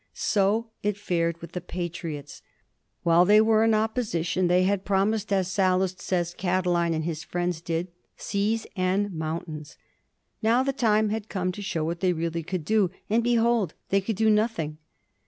So it fared with the Patriots. While they were in opposition they had promised, as Sallust says Catiline and his friends did, seas and mountains. Now the time had come to show what they really could do ; and, behold, they could do nothing.